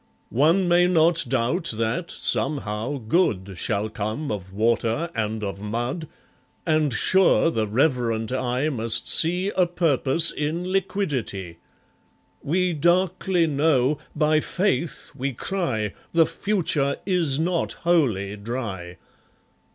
One may not doubt that, somehow, Good Shall come of Water and of Mud; And, sure, the reverent eye must see A Purpose in Liquidity. We darkly know, by Faith we cry, The future is not Wholly Dry.